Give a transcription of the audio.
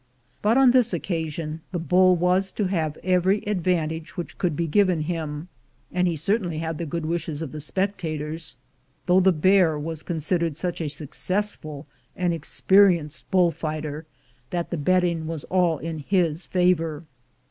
But on this occasion the bull was to have every advantage which could be given him; and he certainly had the good wishes of the spectators, though the bear was considered such a successful and experienced bull fighter that the bet ting was all in his favor.